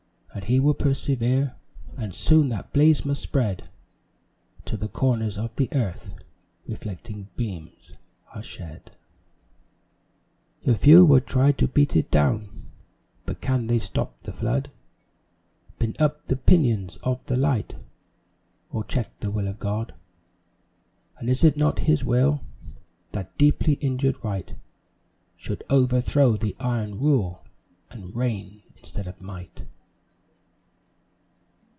And he will persevere, And soon that blaze must spread, Till to the corners of the earth Reflecting beams are shed. The "few" will try to beat it down, But can they stop the flood Bind up the pinions of the light, Or check the will of God? And is it not His will That deeply injured Right Should overthrow the iron rule And reign instead of Might?